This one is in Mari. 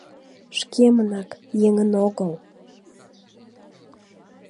Шкемынак, еҥын огыл.